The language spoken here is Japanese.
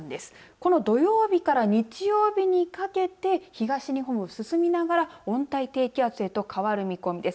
この土曜日から日曜日にかけて東日本を進みながら温帯低気圧へと変わる見込みです。